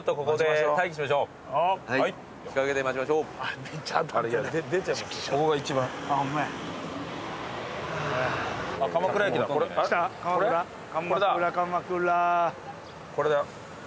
これだ。